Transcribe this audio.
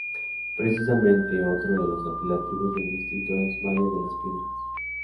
Precisamente otro de los apelativos del distrito es "Valle de las piedras".